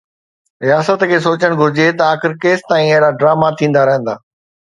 رياست کي سوچڻ گهرجي ته آخر ڪيستائين اهڙا ڊراما ٿيندا رهندا